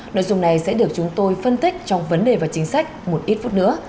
nội dung này sẽ được chúng tôi phân tích trong vấn đề và chính sách một ít phút nữa